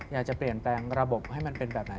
อยากจะเปลี่ยนแปลงระบบให้มันเป็นแบบไหน